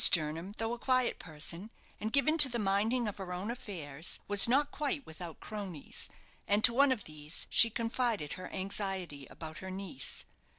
Jernam, though a quiet person, and given to the minding of her own affairs, was not quite without "cronies," and to one of these she confided her anxiety about her niece.